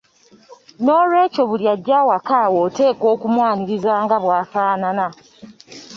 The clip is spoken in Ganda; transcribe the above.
Noolwekyo buli ajja awaka wo oteekwa okumwaniriza nga bw’afaanana.